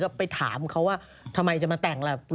ก็ไปถามเขาว่าทำไมจะมาแต่งล่ะ